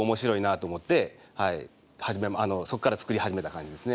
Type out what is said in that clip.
そこから作り始めた感じですね。